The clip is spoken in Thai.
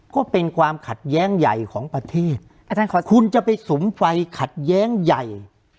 ก็เป็นความขัดแย้งใหญ่ของประเทศคุณจะไปสุมไฟขัดแย้งใหญ่